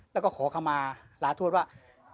แล้วก็ขอคำมาลาโทษว่า